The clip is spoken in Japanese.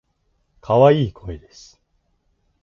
可愛い声です。